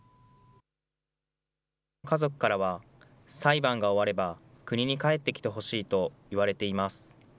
家族からは、裁判が終われば国に帰ってきてほしいといわれています。